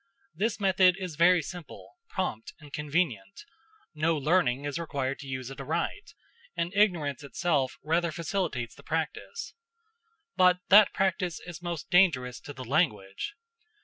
This method is very simple, prompt, and convenient; no learning is required to use it aright, and ignorance itself rather facilitates the practice; but that practice is most dangerous to the language.